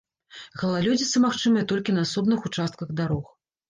Галалёдзіца магчымая толькі на асобных участках дарог.